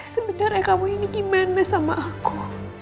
sebenarnya kamu ini gimana sama aku